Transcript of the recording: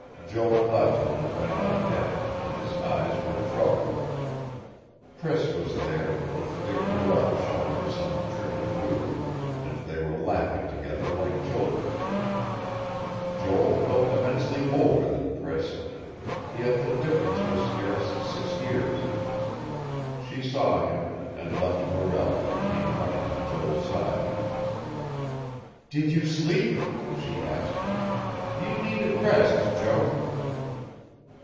Joel left him and went on deck, and his eyes were troubled.... Priss was there, with Dick Morrell showing her some trick of the wheel, and they were laughing together like children. Joel felt immensely older than Priss.... Yet the difference was scarce six years.... She saw him, and left Morrell and came running to Joel's side. "Did you sleep?" she asked. "You needed rest, Joe."